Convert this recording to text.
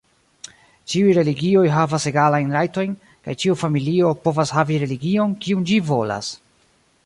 Ĉiuj religioj havas egalajn rajtojn, kaj ĉiu familio povas havi religion, kiun ĝi volas.